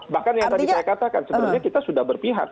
bahkan yang tadi saya katakan sebenarnya kita sudah berpihak